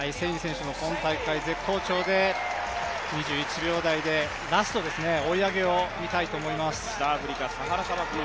今大会絶好調で２１秒台で追い上げを見たいと思います。